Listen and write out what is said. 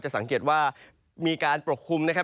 สังเกตว่ามีการปกคลุมนะครับ